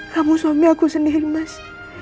kamu suami aku sendiri mas